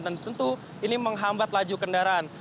tentu ini menghambat laju kendaraan